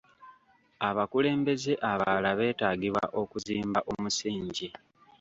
Abakulembeze abalala beetaagibwa okuzimba omusingi.